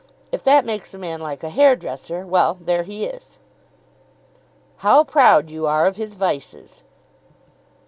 If that makes a man like a hair dresser, well, there he is." "How proud you are of his vices."